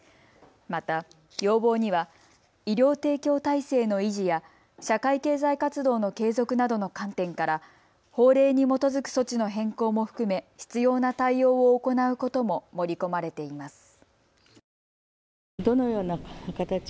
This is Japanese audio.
また要望には医療提供体制の維持や社会経済活動の継続などの観点から法令に基づく措置の変更も含め必要な対応を行うことも盛り込まれています。